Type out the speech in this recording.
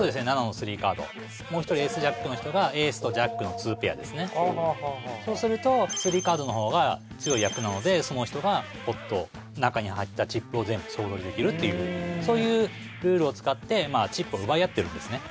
７のスリーカードもう一人エースジャックの人がエースとジャックのツーペアですねそうするとスリーカードの方が強い役なのでその人がポット中に入ったチップを全部総取りできるっていうそういうルールを使ってチップを奪い合ってるんですね